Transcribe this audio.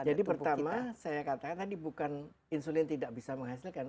jadi pertama saya katakan tadi bukan insulin tidak bisa menghasilkan